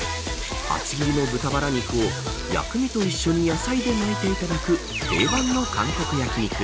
厚切りの豚バラ肉を薬味と一緒に野菜で巻いていただく定番の韓国焼き肉。